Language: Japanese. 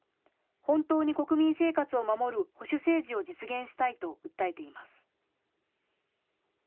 本当に国民生活を守る保守政治を実現したいと訴えています。